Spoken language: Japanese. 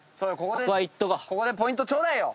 ここでポイントちょうだいよ。